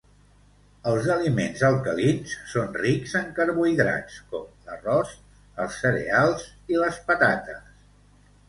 Els aliments alcalins són rics en carbohidrats, com l'arròs, els cereals i les patates.